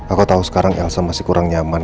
aku tahu sekarang elsa masih kurang nyaman